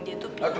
dia tuh pinter